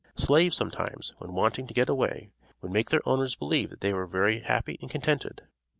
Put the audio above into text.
Slaves sometimes, when wanting to get away, would make their owners believe that they were very happy and contented.